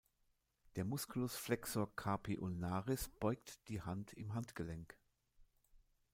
Der Musculus flexor carpi ulnaris beugt die Hand im Handgelenk.